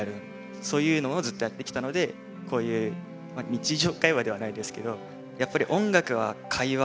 そういうのをずっとやってきたのでこういう日常会話ではないですけどやっぱり音楽は会話だなって。